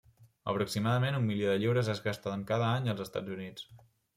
Aproximadament un milió de lliures es gasten cada any als Estats Units.